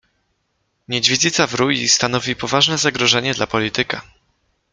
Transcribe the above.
Niedźwiedzica w rui stanowi poważne zagrożenie dla polityka.